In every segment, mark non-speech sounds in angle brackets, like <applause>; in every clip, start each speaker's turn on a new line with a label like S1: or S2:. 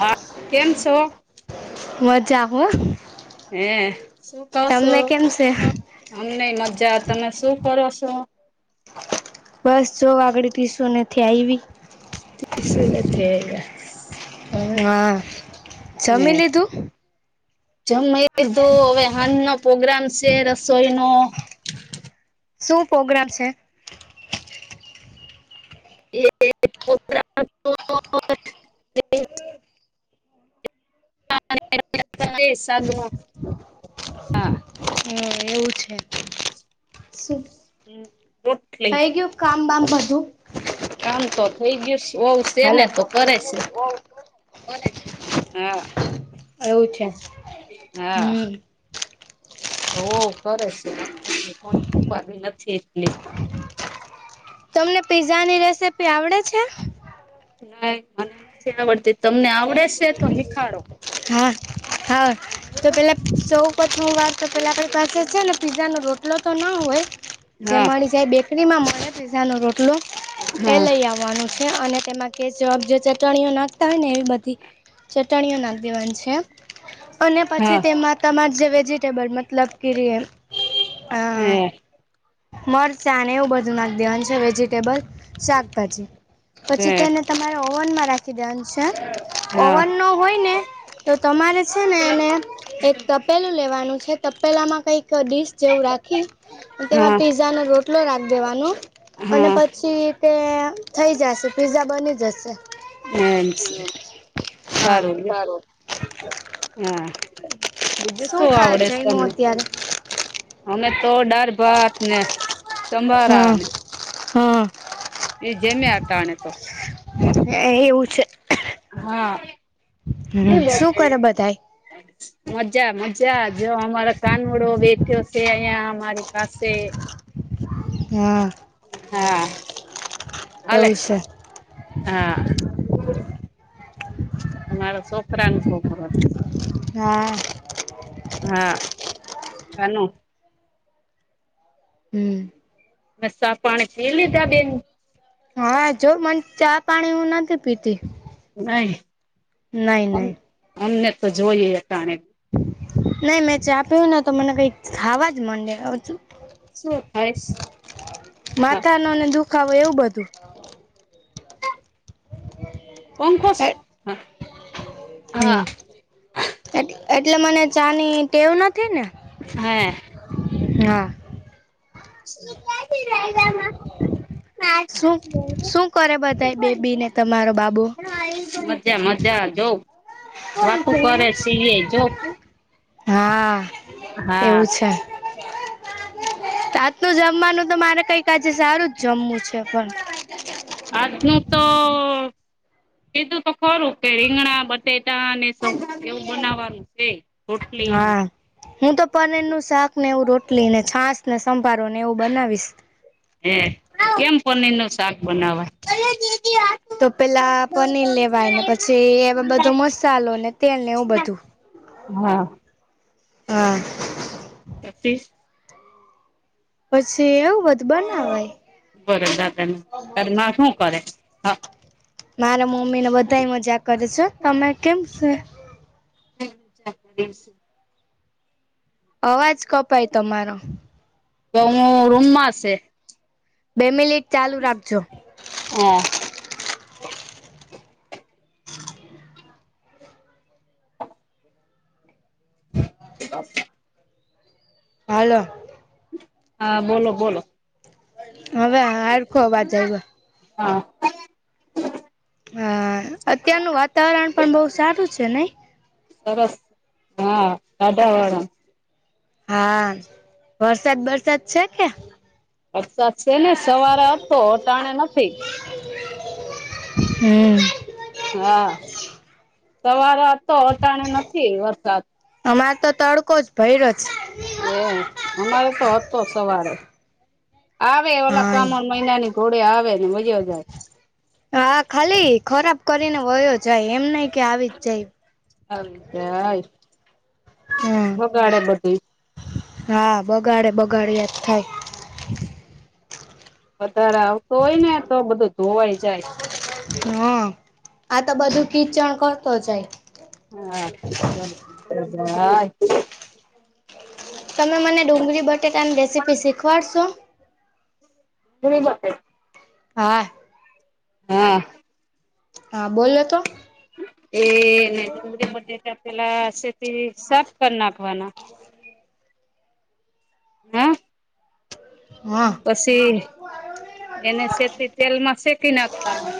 S1: હા કેમ છો?
S2: મજા હો.
S1: હે શું કરો છો?
S2: તમને કેમ છે?
S1: અમ નેય મજા તમે શું કરો છો?
S2: બસ જો વાગડે ટ્યુશનેથી આયવી.
S1: ત્રીસ <inaudible> થઈ ગયા હવે.
S2: હા જમી લીધું?
S1: જમ ધૂ હવે, <unintelligible> પોગ્રામ હે રસોઈનો નો.
S2: શું પ્રોગ્રામ છે?
S1: એ તો. <unintelligible> હા <unintelligible> હા.
S2: હમ, એવું છે. શું
S1: <unintelligible>
S2: થઈ ગયું, કામ બામ બધું.
S1: કામ તો થઈ ગયું. વહુ છે ને
S2: હલો.
S1: તો કરે છે હા
S2: એવું છે.
S1: હા
S2: હમ
S1: ઓ કરે છે, આપણે <unintelligible> નથી એટલી.
S2: તમને પિઝાની રેસિપી આવડે છે?
S1: ના, મને નથી આવડતી. તમને આવડે છે તો શીખાડો.
S2: હા હા, તો પહેલાં તો સૌ પ્રથમ વાર તો આપણી પાસે પિઝાનું રો હલો, તો ના હોય. એ
S1: હા
S2: મળી જાય બેકરીમાં, <unintelligible> પિઝાના રોટલા એ
S1: હા
S2: લઈ આવવાનો છે. અને તેમાં કે જે ચટણીઓ નાખતા હોય ને, એવી બધી. ચટણીઓ નાખ દેવાંન છે અને
S1: હા
S2: પછી તેમાં. તમાર જે વેજિટેબલ, મતલબ કે
S1: હમ
S2: મરચાં એવું બધું, નાખ દેવાન છે. વેજિટેબલ, શાકભાજી. પછી
S1: હમ
S2: તેને તમારે ઓવનમાં રાખી દેવાનું છે,
S1: હા
S2: ઓવનો. હોય ને, તો તમારે છે ને એને એક તપેલું લેવાનું છે, તપેલામાં કંઈક. ડીશ જેવું રાખી, એમાં
S1: હા
S2: પિઝાનો રોટલો રાખી દેવાનો. અને
S1: હા
S2: પછી તે થઈ જશે, પિઝા બની જશે.
S1: <unintelligible>
S2: હા,
S1: સારું
S2: હારું.
S1: હા, બીજું શું
S2: ખા
S1: આવડે છે
S2: જઈમો
S1: તમને?
S2: અત્યારે
S1: અમે તો ડર ભાતને સંભળા.
S2: હમ
S1: એ જમ્યા, આ તાને તો,
S2: એવું છે.
S1: હા
S2: હમ
S1: <unintelligible>
S2: શું કરે બધાય
S1: મજા મજા જો અમારો કાનુડો બેઠયો સે અઈયા અમારી પાસે
S2: હા
S1: હા આલે
S2: એવું છે
S1: હા, આ મારા સોકરાન સોકરો સે.
S2: હા.
S1: હા કાનું.
S2: હમ્મ.
S1: મસા પાણી પી લીધા, બેન.
S2: હા જો, મને ચા-પાણી ઉં નથી પીતી.
S1: નઈ
S2: નઈ નઈ
S1: અમને તો જોઈએ અટાણે
S2: નઈ મેં ચા પીઉં ને તો મને કંઈક થાવા જ મંડે
S1: શું થાય
S2: <unintelligible>
S1: હા
S2: માથાનો ને દુ ખાવો એવું બધું
S1: પંખો છે હા હા
S2: એટ એટલે મને ચાની ટેવ નથી ને
S1: હે
S2: હા
S1: <unintelligible>
S2: શું શું કરે બધાય બેબી ને તમારો બાબો
S1: <unintelligible> જા મજા જો વાતું કરે સે ઈ એ જો
S2: હા
S1: હા
S2: એવું છે રાતનુ જમવાનું તો મારે કંઈક આજે સારું જ જમવું છે. પણ
S1: આજનું તો કીધું તો ખરું કે રીંગણા બટેટા અને સ એવું બનાવવાનું છે રોટલી
S2: હા હું તો પનીરનું શાક ને એવું રોટલી ને છાસ ને સંભારો ને એવું બનાવીશ
S1: હેં કેમ પનીરનું શાક બનાવાય?
S2: તો પેલા પનીર લેવાય ને પછી એ બધો મસાલો ને તેલ ને એવું બધું
S1: હા
S2: હા
S1: <unintelligible>
S2: પછી એવું બધુ બનાવાય
S1: બરો દાદા ને તારમાં શું કરે? હા
S2: મારા મમ્મીને બધાય મજા કરે છે હં તમે કેમ સે?
S1: <unintelligible>
S2: અવાજ કપાય તમારો
S1: તો ઉં રૂમમાં સે
S2: બે મિલિટ ચાલુ રાખજો
S1: એ
S2: હ
S1: તો
S2: હાલો
S1: હા બોલો બોલો
S2: હવે હારખો અવાજ આયવો
S1: હા.
S2: હા અત્યારનું વાતાવરણ પણ બહું સારું છે નઈ
S1: સરસ હા દાઢા વાળા
S2: હા વરસાદ બરસાદ છે કે
S1: વરસાદ છે ને સવારે હતો ટાણે નથી
S2: હમ્મ.
S1: હા સવાર તો અટાણ નથી વરસાદ
S2: અમારે તો તડકો જ ભયરો છ
S1: એ અમારે તો હતો સવારે આવે ઓલા
S2: હા
S1: સામાન મહિનાની ઘોડે આવે ને વઈ યા જાય
S2: હા ખાલી ખરાબ કરીને વયો જાય એમ નહિ કે આવી જ જાય
S1: <unintelligible>
S2: હમ
S1: બગાડે પછી
S2: હા બગાડે બગાડે યાદ થાય
S1: વધારે આવતો હોય ને તો બધું ધોવાઈ જાય
S2: હા આ તો બધું કીચણ કરતો જાય
S1: હા <inaudible>
S2: તમે મને ડુંગળી બટેટાની રેસીપી શીખવાડશો
S1: ત ગતે <inaudible>
S2: હા.
S1: હા.
S2: હા બોલો તો
S1: એ <unintelligible> બધે પેલા શેતી સાફ કર નાખવાના. હમ <inaudible>
S2: હા.
S1: પછી એને શેતી તેલમાં શેકી નાખવાનું.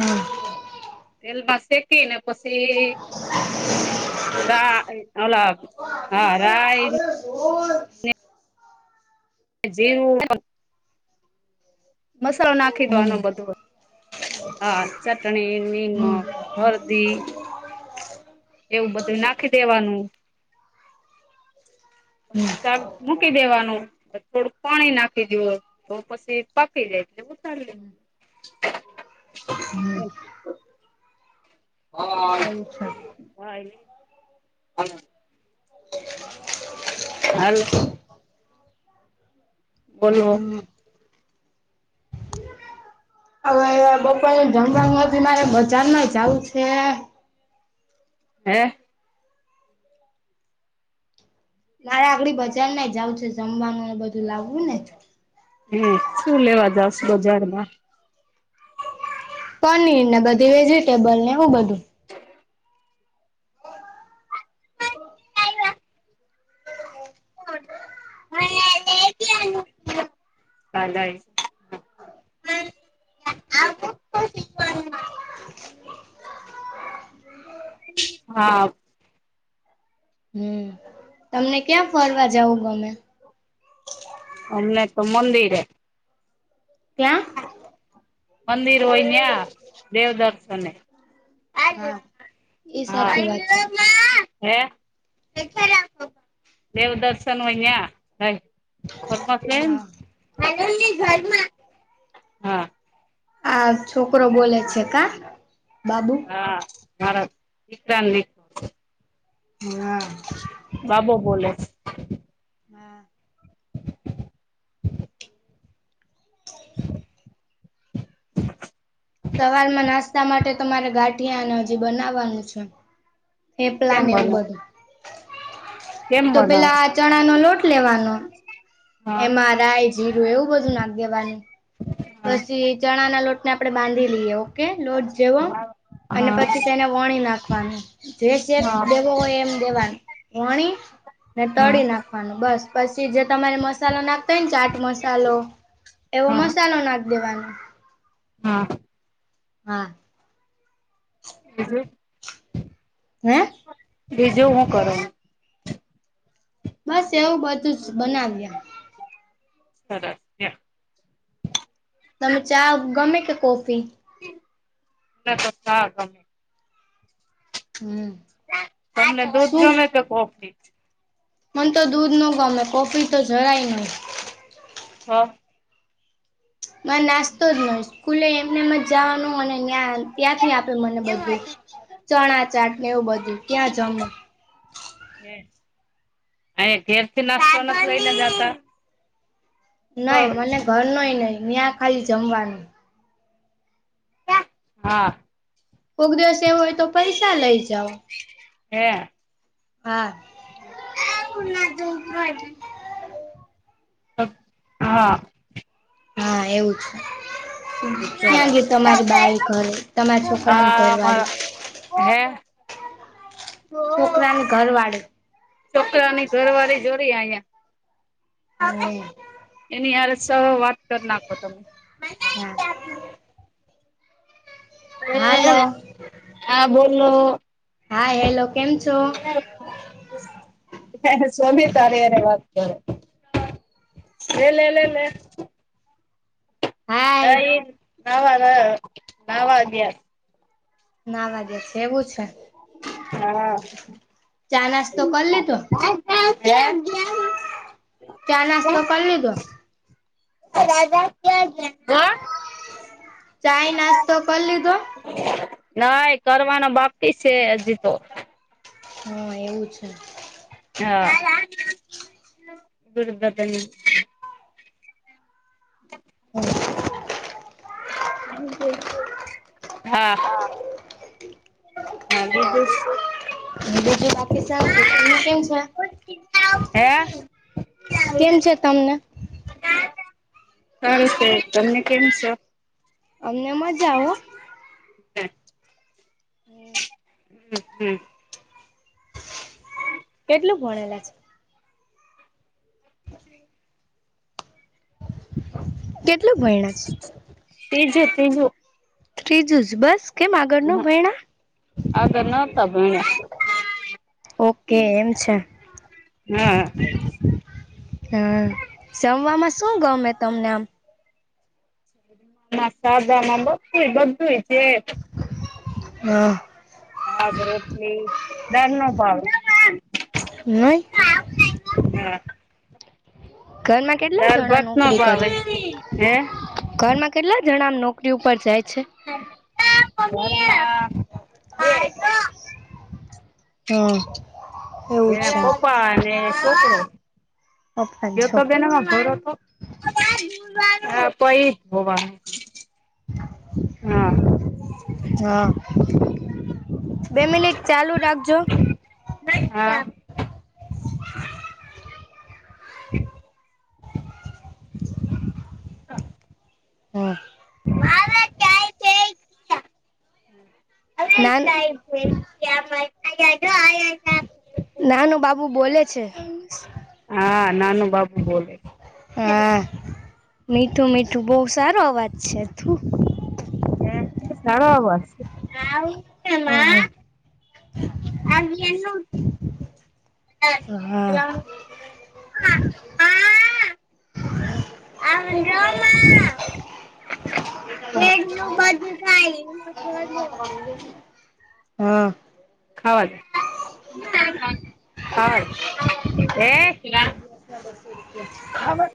S2: હા
S1: તેલમાં સેકીને પછી, રા ઓલા હા રાય. જેવું <inaudible> મસાલો નાખી
S2: હમ
S1: દેવાનો
S2: હમ
S1: બધો. હા ચટણી નિમક હળદી એવું બધું નાખી દેવાનું
S2: હમ
S1: શાક મૂકી દેવાનું, પછ થોડુંક પાણી નાખી દાયો, તો પછી પાકી જાય. <unintelligible>
S2: <unintelligible>
S1: હા
S2: એવું છે
S1: હાઈ
S2: <inaudible>
S1: હાલો. બોલો.
S2: હમ
S1: <inaudible>
S2: હવે બપોરનું જમવાનું હજી મારે બજારમાંય જાવું છે.
S1: હે
S2: મારે આગળ બજાર ના જાવું છે જમવાનું બધું લાવવું ને
S1: હે શું લેવા જાવ છો બજારમાં?
S2: પનીર ને બધી વેજીિટેબલ ને એવું બધું
S1: <unintelligible> <inaudible> હા.
S2: હમ <inaudible> તમને ક્યાં ફરવા જવું ગમે?
S1: અમને તો મંદિરે
S2: ક્યાં
S1: મંદિર હોય યા, દેવદર્શને <unintelligible> હે,
S2: હા એ સાચી વાત છે
S1: <unintelligible> દેવ દર્શન હોયા
S2: હા
S1: <unintelligible> હા
S2: આ છોકરો બોલે છે કા બાબુ
S1: હા ભારત <unintelligible>
S2: હા.
S1: બાબો બોલે
S2: હા. સવારમાં નાસ્તા માટે તો મારે ગાંઠિયાને હજી બનાવવાનું છે. હે પ્લાન
S1: કેમ
S2: ને એવું
S1: બનો
S2: બધું.
S1: કેમ
S2: તો
S1: બનાવ
S2: પેલા આ ચણા નો લોટ લેવાનો
S1: હા
S2: એમાં રાય જીરું એવું બધું નાખ દેવાનું.
S1: હા
S2: પછી ચણા ના લોટ ને આપણે બાંધી લઈએ ઓકે લોટ જેવો
S1: હા
S2: અને પછી તેને વણી નાખવાનું જે શેપ
S1: હા
S2: દેવો હોય એમ દેવાનું પછી વણી ને
S1: હા
S2: તળી નાખ વાનું બસ પછી જે તમારે મસાલો નાખતા હોય ને ચાટ મસાલો એવો
S1: હા
S2: મસ મસાલો નાખી દેવાનો
S1: હા.
S2: હા.
S1: બીજું
S2: હે
S1: બીજું હું કરો
S2: બસ એવું બધું જ બનાવીયા
S1: બરાબર
S2: તમને ચા ગમે કે કોફી
S1: મને તો ચા ગમે
S2: હમ
S1: તમને દૂધ
S2: શું
S1: ગમે કે કૉફી
S2: મને તો દૂધ ન ગમે કોફી તો જરાય નહી
S1: હા.
S2: મને નાસ્તો જ ન સ્કૂલે એમને એમ જ જવાનું અને ત્યાં ત્યાંથી આપે મને બધું ચણા ચાટ ને એવું બધું ત્યાં જમ
S1: અ ઘેરથી નાસ્તા નથ લઈને જતા તાર
S2: નઈ મને ઘરનું એ નહી મને નયા ખાલી જમવાનું
S1: હા.
S2: કોક દિવસ એવો હોય તો પૈસા લઇ જાઓ
S1: હે
S2: હા.
S1: <unintelligible> હા.
S2: હા એવું છે. ત્યાં ગઈ તમારી બાઈ ઘર હો તમારા છોકરાની ઘરવાળી
S1: મારા હા. <unintelligible>
S2: ઓકરાની ઘરવાડી
S1: છોકરાની ઘરવાળી જોરી અઈયા
S2: હમ
S1: એની યાર સ વાત કર નાખો તો
S2: હમ્મ હાલો
S1: <inaudible> હા બોલો
S2: હા હેલો, કેમ છો?
S1: સોમી તાર્ય ને વાત કરો એ લે લે લે
S2: હાય
S1: નહી નહાવા ગ નાહવા ગ્યા
S2: નહાવા ગ્યા છેવું છે
S1: હા
S2: ચા
S1: હે
S2: નાસ્તો કરી લીધો ચાય નાસ્તો કર લીધો
S1: દાદા ક્યાં ગ્યા?
S2: ચાય નાસ્તો કર લીધો
S1: ના એ કરવાનો બાકી છે હજી તો
S2: હ, એવું છે.
S1: હા <unintelligible> <inaudible>
S2: <inaudible>
S1: હા હા બીજુ શ
S2: હ બીજું બાકી શાંતિ, તમને કેમ છે?
S1: હે
S2: કેમ છે તમને?
S1: સારુ છે, તમને કેમ છો?
S2: અમને મજા હો. હમ્મ
S1: હ હમ્મ
S2: કેટલું ભણેલા છે?
S1: <inaudible>
S2: કેટલું ભયણા છો?
S1: તીજે તીજુ
S2: તીજૂ જ બસ, કેમ આગળ ન ભયણા?
S1: આગળ નતા ભણ્યા
S2: ઓકે એમ છે હમ્મ, જમવામા શું ગમે તમને આમ
S1: <unintelligible> સાદામાં બધું બધું ય છે
S2: હ
S1: શાક રોટલી, દાળ નો ભાવે
S2: નઈ
S1: ના
S2: ઘરમાં કેટલા જણા
S1: ભાત નો
S2: નોકરી કરે
S1: ભાવે હે
S2: ઘરમાં કેટલા જણા નોકરી ઉપર જાય છે.
S1: <unintelligible>
S2: <inaudible> હ
S1: એ પપ્પા અને સોકડો
S2: પપ્પા ને
S1: ગ્યોતો
S2: છોકરો
S1: બેનવા તો હા <unintelligible> ધોવાનુ
S2: હા બે મિનિટ ચાલુ રાખજો
S1: હા <inaudible> <unintelligible>
S2: હા
S1: <unintelligible>
S2: નાન
S1: <unintelligible>
S2: નાનું બાબુ બોલે છે
S1: હા નાનું બાબુ બોલે
S2: હા મીઠુ મીઠુ બહુ સારો અવાજ છે થું
S1: હે સારો અવાજ છે <unintelligible>
S2: હા
S1: માં
S2: હા
S1: <unintelligible> <unintelligible> એટલું બધું ખાઇ <unintelligible>
S2: હા
S1: ખાવા દો <unintelligible>